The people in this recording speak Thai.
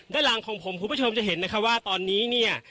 ด้านหลังของผมคุณผู้ชมจะเห็นว่าตอนนี้